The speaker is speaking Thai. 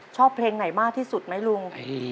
ชอบเพลงไหนมากที่สุดไหมลุง